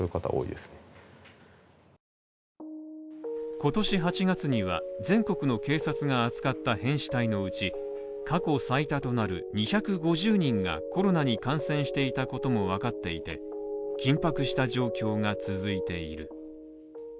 今年８月には全国の警察が扱った変死体のうち、過去最多となる２５０人がコロナに感染していたこともわかっていて、緊迫した状況が続いている。